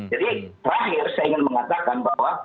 jadi terakhir saya ingin mengatakan bahwa